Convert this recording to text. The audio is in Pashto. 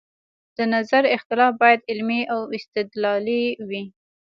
د نظر اختلاف باید علمي او استدلالي وي